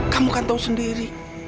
kamu kan tau sendiri